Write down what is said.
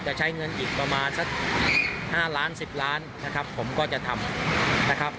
จะใช้เงินอีกประมาณสัก๕ล้าน๑๐ล้านนะครับผมก็จะทำนะครับ